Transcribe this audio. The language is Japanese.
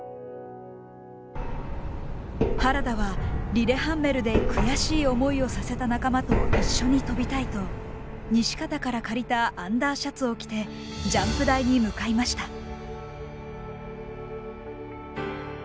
原田はリレハンメルで悔しい思いをさせた仲間と一緒に飛びたいと西方から借りたアンダーシャツを着てジャンプ台に向かいました。